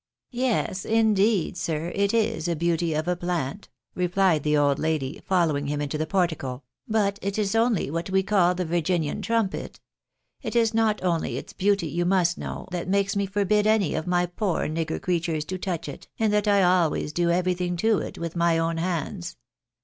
" Yes, indeed sir, it is a beauty of a plant," replieil the old lady, following him into the portico ;" but it is only what vre call the Virginian trumpet. It is not only its beauty, you must knov7, that makes me forbid any of my poor nigger creatures to touch it, and that I always do everything to it witli my own hands.